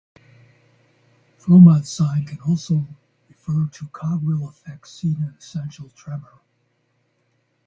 Froment sign can also refer to cogwheel effect seen in essential tremor.